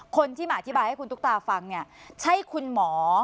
คนที่มาอธิบายให้คุณตุ๊กตาฟังเนี่ยใช่คุณหมอ